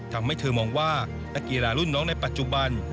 ทำให้เธอมองว่านักกีฬารุ่นน้องในปัจจุบัน